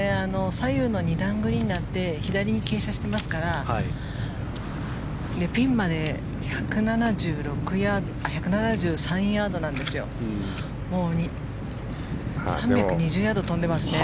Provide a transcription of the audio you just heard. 左右の２段グリーンで左に傾斜してますからピンまで１７３ヤードなんですよ３２０ヤード飛んでますね。